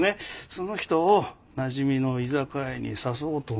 その人をなじみの居酒屋に誘おうと思ってるの。